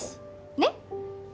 ねっ？